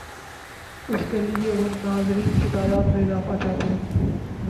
اس کے لیے وہ ناظرین کی تعداد میں اضافہ چاہتا ہے۔